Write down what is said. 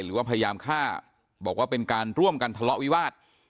หรือว่าพยายามฆ่าบอกว่าเป็นการร่วมกันทะเลาะวิวาส